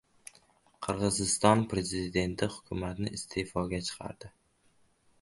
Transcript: Qirg‘iziston Prezidenti hukumatni iste’foga chiqardi